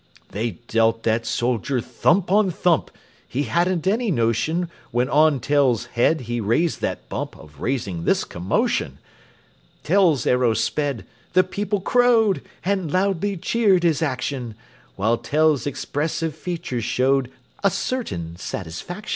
They dealt that soldier thump on thump (He hadn't any notion, When on Tell's head he raised that bump, Of raising this commotion); Tell's arrow sped, the people crowed, And loudly cheered his action; While Tell's expressive features showed A certain satisfaction.